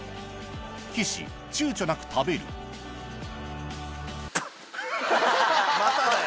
岸ちゅうちょなく食べるまただよ。